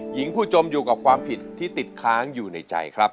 หญิงผู้จมอยู่กับความผิดที่ติดค้างอยู่ในใจครับ